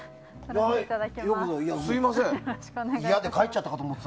すみません。